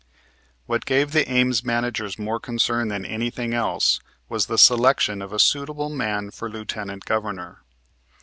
What gave the Ames managers more concern than anything else was the selection of a suitable man for Lieutenant Governor.